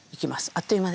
あっという間？